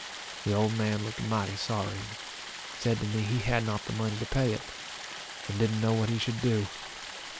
The old man looked mighty sorry, and said to me he had not the money to pay it, and didn't know what he should do.